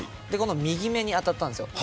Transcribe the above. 右目に当たったんですよ。